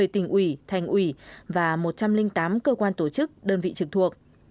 một mươi tỉnh ủy thành ủy và một trăm linh tám cơ quan tổ chức đơn vị trực thuộc